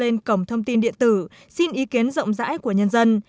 bộ giáo dục cổng thông tin điện tử xin ý kiến rộng rãi của nhân dân